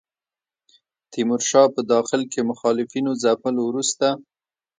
تیمورشاه په داخل کې مخالفینو ځپلو وروسته.